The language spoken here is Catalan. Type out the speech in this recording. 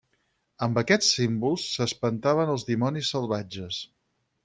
Amb aquests símbols s'espantaven els dimonis salvatges.